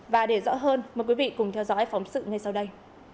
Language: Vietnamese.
và để rõ hơn mời quý vị cùng theo dõi phóng sự ngay sau đây